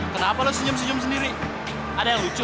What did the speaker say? kenapa lon senyum senyum sendiri ada yang lucu